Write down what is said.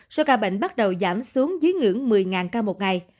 số ca bệnh bắt đầu giảm xuống dưới ngưỡng một mươi ca một ngày